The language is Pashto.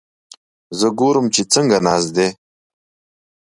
زه ګورم چې څنګه ناست دي؟